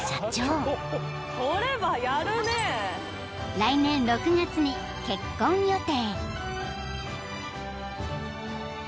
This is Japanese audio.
［来年６月に結婚予定］